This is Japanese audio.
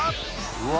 うわ。